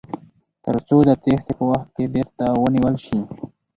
تر څو د تیښتې په وخت کې بیرته ونیول شي.